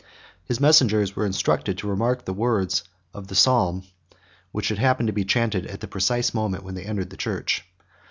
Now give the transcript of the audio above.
His messengers were instructed to remark the words of the Psalm which should happen to be chanted at the precise moment when they entered the church.